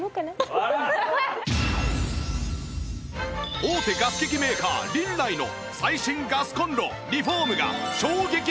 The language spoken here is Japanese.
大手ガス機器メーカーリンナイの最新ガスコンロリフォームが衝撃価格で登場！